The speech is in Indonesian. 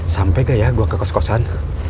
sampai gak ya gua kekos kosan